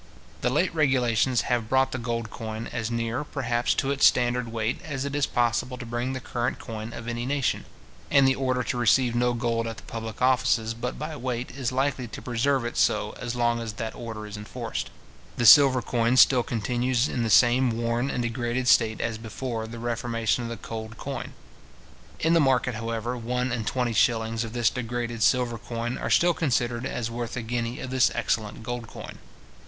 The late regulations have brought the gold coin as near, perhaps, to its standard weight as it is possible to bring the current coin of any nation; and the order to receive no gold at the public offices but by weight, is likely to preserve it so, as long as that order is enforced. The silver coin still continues in the same worn and degraded state as before the reformation of the cold coin. In the market, however, one and twenty shillings of this degraded silver coin are still considered as worth a guinea of this excellent gold coin.